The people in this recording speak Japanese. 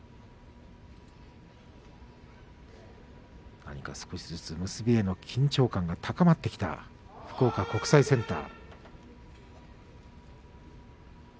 何か少しずつ結びへの緊張感が高まってきた福岡国際センター。